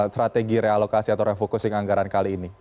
strategi realokasi atau refocusing anggaran kali ini